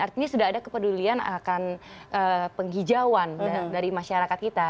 artinya sudah ada kepedulian akan penghijauan dari masyarakat kita